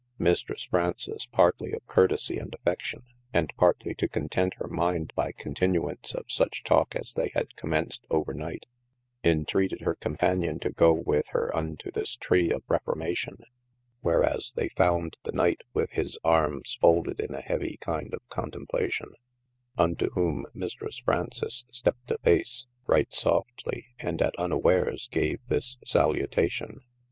Mystresse Fraunces, partely of curtesie and affeclion, and partly to content hir minde by continuance of such talke as they had commenced over night, entreated hir companion to goe with hir unto this Tree of reformation, whereas they founde the Knight with hys armes foulded in a heavy kinde of contemplation, unto whome Mistresse Fraunces stepped a pace (right softhlye) and at unwares gave this salutation.